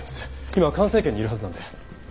今環生研にいるはずなんで。